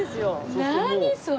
何それ！